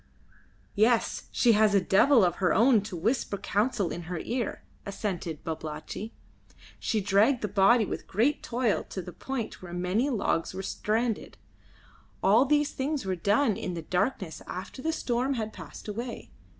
"Yes, she has a Devil of her own to whisper counsel in her ear," assented Babalatchi. "She dragged the body with great toil to the point where many logs were stranded. All these things were done in the darkness after the storm had passed away.